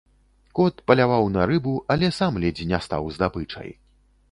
Кот паляваў на рыбу, але сам ледзь не стаў здабычай.